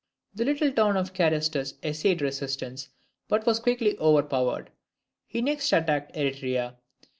The little town of Carystus essayed resistance, but was quickly overpowered. He next attacked Eretria.